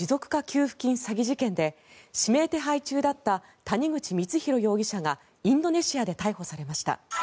給付金詐欺事件で指名手配中だった谷口光弘容疑者がインドネシアで逮捕されました。